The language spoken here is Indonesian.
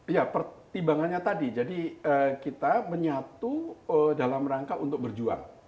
ya pertimbangannya tadi jadi kita menyatu dalam rangka untuk berjuang